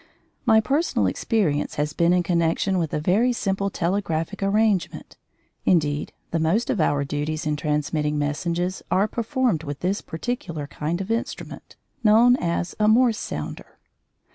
My personal experience has been in connection with a very simple telegraphic arrangement. Indeed, the most of our duties in transmitting messages are performed with this particular kind of instrument, known as a "Morse sounder."